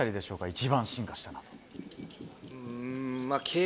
一番進化したのは。